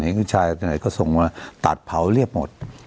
เห็นกัญชาตรงไหนก็ส่งมาตัดเผาเรียบหมด